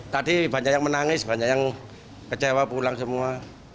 tadi banyak yang menangis banyak yang kecewa pulang semua